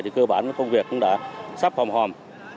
thì cơ bản công việc cũng đã sắp phòng hòm